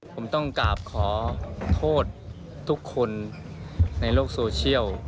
ผมต้องกราบขอโทษทุกคนในโลกโซเชียล